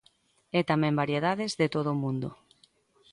E tamén variedades de todo o mundo.